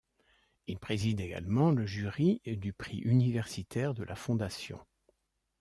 Il préside également le jury du prix universitaire de la Fondation.